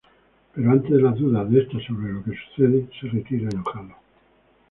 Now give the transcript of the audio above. Pero ante las dudas de esta sobre lo que le sucede, se retira enojado.